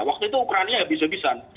waktu itu ukraina ya habis habisan